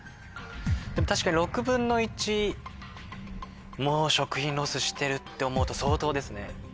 でも確かに。も食品ロスしてるって思うと相当ですね。